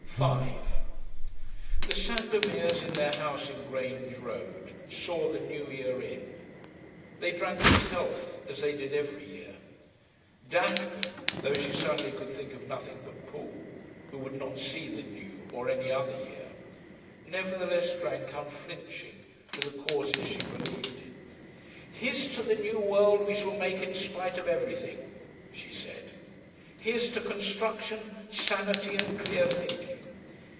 5 The Sandomirs, in their house in Grange Road, saw the new year in. They drank its health, as they did every year. Daphne, though she suddenly could think of nothing but Paul, who would not see the new or any other year, nevertheless drank unflinching to the causes she believed in. 'Here's to the new world we shall make in spite of everything,' she said. 'Here's to construction, sanity, and clear thinking.